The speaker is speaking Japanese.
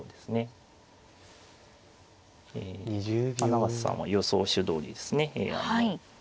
永瀬さんは予想手どおりですねＡＩの。